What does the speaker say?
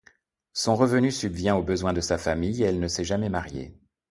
Son revenu subvient aux besoins de sa famille et elle ne s'est jamais mariée.